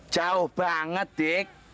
jauh banget dik